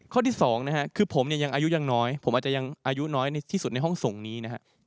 ข้อที่สองคือผมอายุยังน้อยผมอาจจะยังอายุน้อยที่สุดในห้องส่งนี้